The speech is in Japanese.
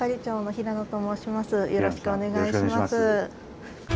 平野さんよろしくお願いします。